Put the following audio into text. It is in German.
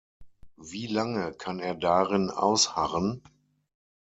Wie lange kann er darin ausharren?